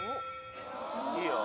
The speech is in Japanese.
いいよ。